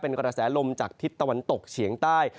เป็นกระแสลมจากทิศตะวันตกเฉียงใต้